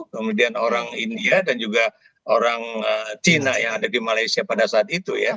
kemudian orang india dan juga orang cina yang ada di malaysia pada saat itu ya